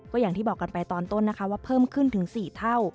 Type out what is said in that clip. ก็อย่างที่บอกกันไปตอนต้นนะคะว่าเพิ่มขึ้นถึง๔เท่า